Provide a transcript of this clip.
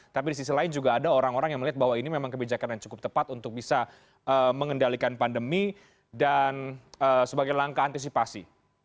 tapi di sisi lain juga ada orang orang yang melihat bahwa ini memang kebijakan yang cukup tepat untuk bisa mengendalikan pandemi dan sebagai langkah antisipasi